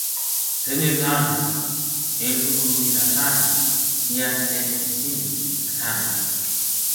Zenye tani elfu kumi na tano mia nne hamsini na tano